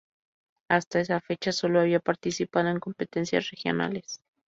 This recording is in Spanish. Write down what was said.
Hasta esa fecha solo había participado en competencias regionales.